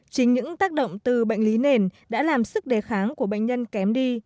chính những tác động từ bệnh lý nền đã làm sức đề kháng của bệnh nhân kém đi